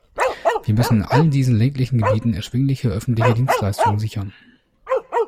Wir müssen in allen diesen ländlichen Gebieten erschwingliche öffentliche Dienstleistungen sichern.